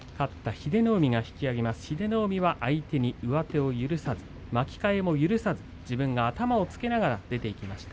英乃海は相手に上手を許さず巻き替えも許さず自分の頭をつけながら出ていきました。